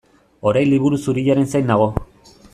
Orain Liburu Zuriaren zain nago.